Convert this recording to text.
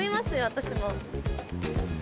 私も。